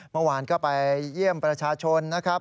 เมื่อวานก็ไปเยี่ยมประชาชนนะครับ